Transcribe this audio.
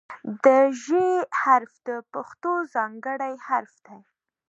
د "ژ" حرف د پښتو ځانګړی حرف دی.